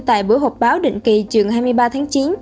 tại buổi họp báo định kỳ trường hai mươi ba tháng chín